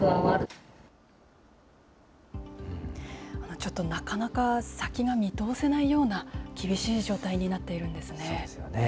ちょっとなかなか先が見通せないような厳しい状態になっていそうですよね。